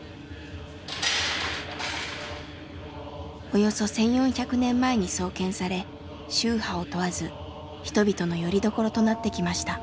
およそ１，４００年前に創建され宗派を問わず人々のよりどころとなってきました。